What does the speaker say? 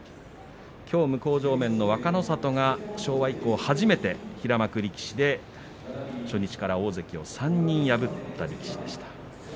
きょう向正面の若の里が昭和以降初めて平幕力士で初日から大関を３人破った力士でした。